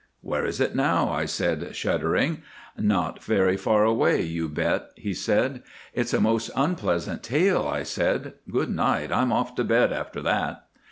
"Where is it now?" I said, shuddering. "Not very far away, you bet," he said. "It's a most unpleasant tale," I said. "Good night, I'm off to bed after that."